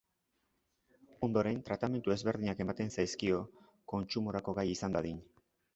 Ondoren tratamendu ezberdinak ematen zaizkio, kontsumorako gai izan dadin.